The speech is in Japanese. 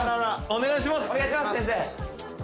お願いします先生。